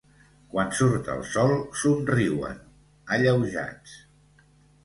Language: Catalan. Quan surt el sol somriuen, alleujats.